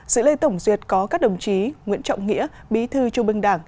sự lễ tổng duyệt có các đồng chí nguyễn trọng nghĩa bí thư trung bưng đảng